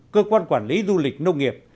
cơ quan quản lý du lịch nông nghiệp